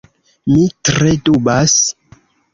Mi tre dubas.